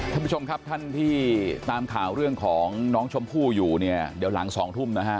ท่านผู้ชมครับท่านที่ตามข่าวเรื่องของน้องชมพู่อยู่เนี่ยเดี๋ยวหลังสองทุ่มนะฮะ